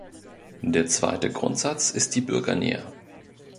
Der zweite Grundsatz ist die Bürgernähe.